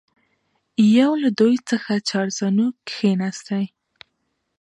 یو له دوی څخه چارزانو کښېنستی.